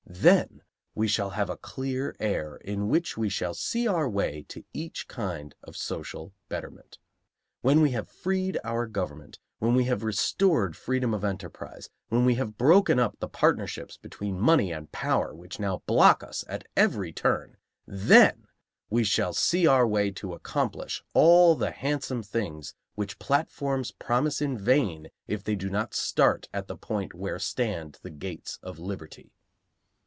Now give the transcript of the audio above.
Then we shall have a clear air in which we shall see our way to each kind of social betterment. When we have freed our government, when we have restored freedom of enterprise, when we have broken up the partnerships between money and power which now block us at every turn, then we shall see our way to accomplish all the handsome things which platforms promise in vain if they do not start at the point where stand the gates of liberty.